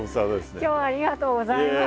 今日はありがとうございます。